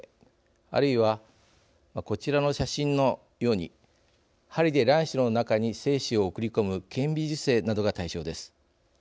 あるいはこちらの写真のように針で卵子の中に精子を送り込む顕微授精などが対象です。